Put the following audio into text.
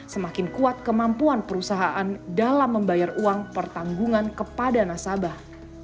semakin kuat kemampuan perusahaan dalam membayar uang pertanggungan kepada nasabah